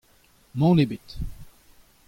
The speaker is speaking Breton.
Mann ebet.